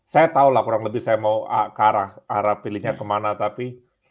saya tahu lah kurang lebih saya mau ke arah pilihnya kemana tapi